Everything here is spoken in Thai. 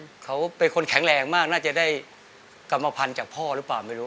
เขาเป็นคนแข็งแรงมากน่าจะได้กรรมพันธุ์จากพ่อหรือเปล่าไม่รู้